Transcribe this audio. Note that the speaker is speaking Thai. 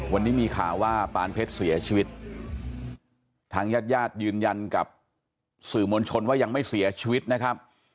วันนี้มีข่าวว่าปานเพชรเสียชีวิตทางญาติญาติยืนยันกับสื่อมวลชนว่ายังไม่เสียชีวิตนะครับ